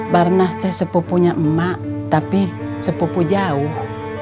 barnas itu sepupunya emak tapi sepupu jauh